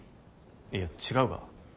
いや違うが。